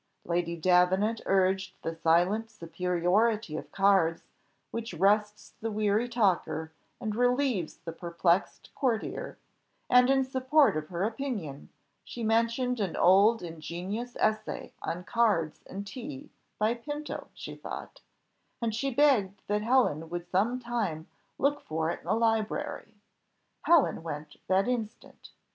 Lady Davenant urged the silent superiority of cards, which rests the weary talker, and relieves the perplexed courtier, and, in support of her opinion, she mentioned an old ingenious essay on cards and tea, by Pinto, she thought; and she begged that Helen would some time look for it in the library. Helen went that instant.